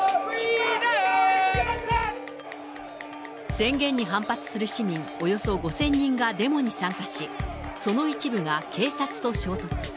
宣言に反発する市民、およそ５０００人がデモに参加し、その一部が警察と衝突。